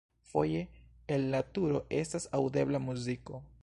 Foje el la turo estas aŭdebla muziko.